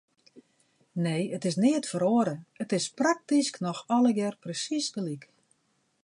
Nee, it is neat feroare, it is praktysk noch allegear presiis gelyk.